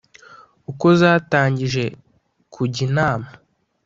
uko zatangije kujya inama